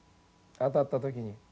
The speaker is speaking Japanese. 当たった時に。